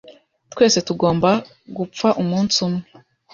Twese tugomba gupfa umunsi umwe.